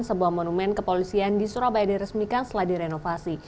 sebuah monumen kepolisian di surabaya diresmikan setelah direnovasi